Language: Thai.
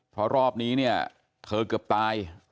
เพราะรอบนี้เนี่ยเธอเกือบตาย